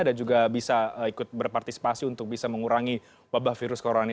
dan juga bisa ikut berpartisipasi untuk bisa mengurangi wabah virus corona ini